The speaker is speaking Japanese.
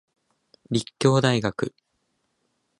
立教大学